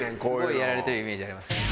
すごいやられてるイメージあります。